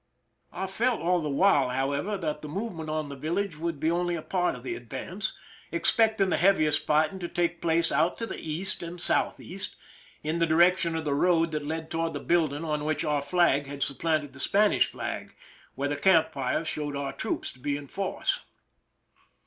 I felt all the 266 PRISON LIFE^THE SIEGE while, however, that the movement on the village would be only a part of the advance, expecting the heaviest fighting to take place out to the east and southeast, in the direction of the road that led to ward the building on which our flag had supplanted the Spanish flag, where the camp fires showed our troops to be in force.